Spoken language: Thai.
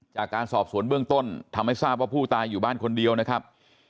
จากการสอบสวนเบื้องต้นทำให้ทราบว่าผู้ตายอยู่บ้านคนเดียวนะครับ